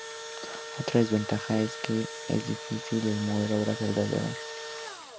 Otra desventaja es que es difícil el mover obras alrededor.